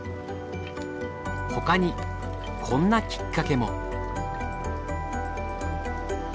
ほかにこんなきっかけも。